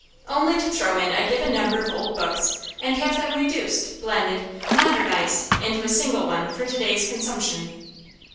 Only to throw in a given number of old books, and have them reduced, blended, modernised into a single one for to day's consumption.